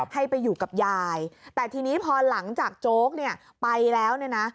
ให้ไปอยู่กับยายแต่ทีนี้พอหลังจากโจ๊กเนี่ยไปแล้วเนี่ยนะ